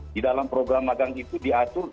di dalam program magang itu diatur